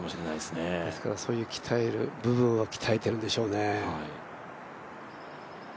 ですからそういう鍛える部分は鍛えてるでしょうね。